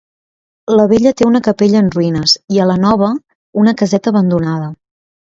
La vella té una capella en ruïnes, i a la nova una caseta abandonada.